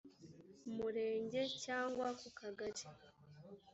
murenge cyangwa ku kagari